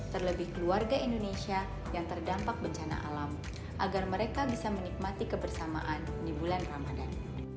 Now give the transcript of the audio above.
terlebih keluarga indonesia yang terdampak bencana alam agar mereka bisa menikmati kebersamaan di bulan ramadan